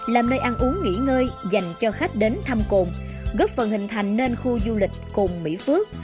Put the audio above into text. làm nơi ăn uống nghỉ ngơi dành cho khách đến thăm cồn góp phần hình thành nên khu du lịch cồn mỹ phước